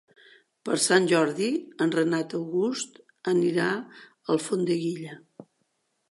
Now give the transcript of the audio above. Per Sant Jordi en Renat August anirà a Alfondeguilla.